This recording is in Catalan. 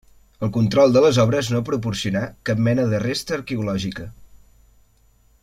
El control de les obres no proporcionà cap mena de resta arqueològica.